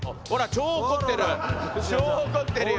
超怒ってるよ。